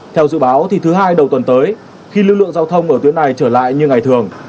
theo dự báo thì thứ hai đầu tuần tới khi lưu lượng giao thông ở tuyến này trở lại như ngày thường